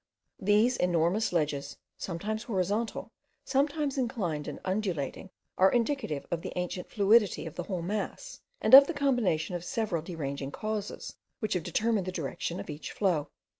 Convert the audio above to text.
These enormous ledges, sometimes horizontal, sometimes inclined and undulating, are indicative of the ancient fluidity of the whole mass, and of the combination of several deranging causes, which have determined the direction of each flow.